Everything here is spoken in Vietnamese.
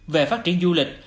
về phát triển du lịch